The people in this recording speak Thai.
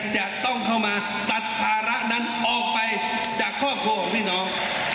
จะต้องเข้ามาตัดภาระนั้นออกไปจากครอบครัวของพี่น้อง